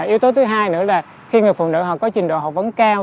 yếu tố thứ hai nữa là khi người phụ nữ họ có trình độ học vấn cao